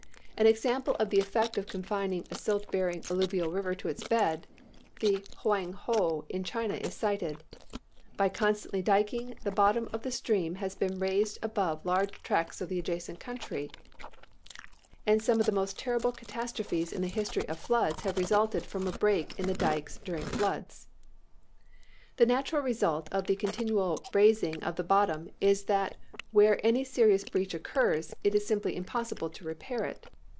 As an example of the effect of confining a silt bearing alluvial river to its bed, the Hoang Ho in China is cited. By constant dyking the bottom of the stream has been raised above large tracts of the adjacent country and some of the most [Illustration: FLOOD IN CHINA.] terrible catastrophes in the history of floods have resulted from a break in the dykes during floods. The natural result of the continual raising of the bottom is that where any serious breach occurs, it is simply impossible to repair it.